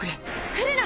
来るな！